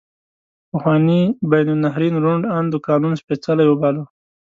پخواني بین النهرین روڼ اندو قانون سپیڅلی وباله.